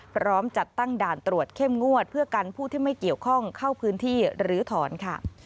พร้อมจัดตั้งด่านตรวจเข้มงวดเพื่อกันผู้ที่ไม่เกี่ยวข้องเข้าพื้นที่รื้อถอนค่ะ